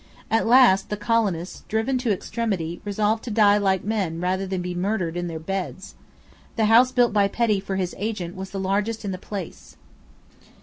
At last the colonists, driven to extremity, resolved to die like men rather than be murdered in their beds. The house built by Petty for his agent was the largest in the place.